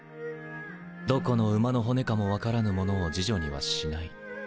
どこの馬の骨かも分からぬ者を侍女にはしない。